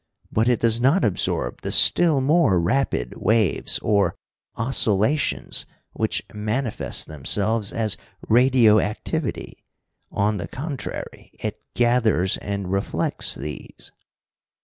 But it does not absorb the still more rapid waves, or oscillations which manifest themselves as radio activity. On the contrary, it gathers and reflects these.